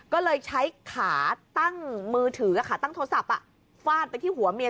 ก็เลยใช้ขาตั้งมือถือขาตั้งโทรศัพท์ฟาดไปที่หัวเมีย